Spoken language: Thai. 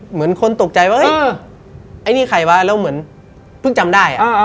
เหมือนคนตกใจว่าเฮ้ยไอ้นี่ใครวะแล้วเหมือนเพิ่งจำได้